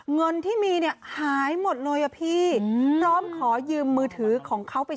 เงินที่มีหายหมดเลยอะพี่